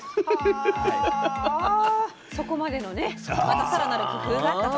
はそこまでのねまたさらなる工夫があったと。